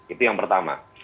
itu yang pertama